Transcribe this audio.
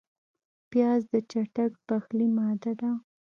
پیاز د چټک پخلي ماده ده